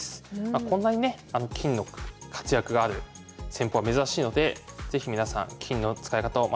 こんなにね金の活躍がある戦法は珍しいので是非皆さん金の使い方を学んでいってください。